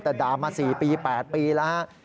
แต่ด่ามา๔ปี๘ปีแล้วฮะ